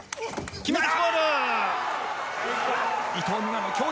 決めた！